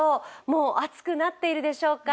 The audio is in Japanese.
もう暑くなっているでしょうか。